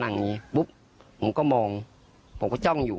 อย่างนี้ปุ๊บผมก็มองผมก็จ้องอยู่